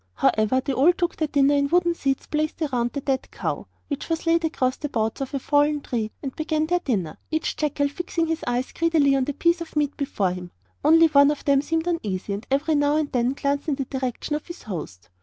However, they all took their places on wooden seats placed round the dead cow, which was laid across the boughs of a fallen tree, and began their dinner, each jackal fixing his eyes greedily on the piece of meat before him. Only one of them seemed uneasy, and every now and then glanced in the direction of his host.